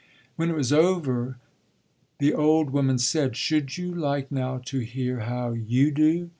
When it was over the old woman said, "Should you like now to hear how you do?"